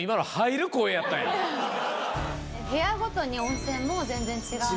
部屋ごとに温泉も全然違うので。